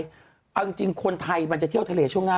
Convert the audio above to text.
อรรักจริงคนไทยมันจะเที่ยวทะเลช่วงหน้าร้อน